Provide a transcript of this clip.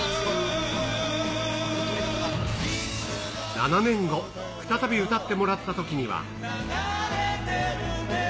７年後、再び歌ってもらったときには。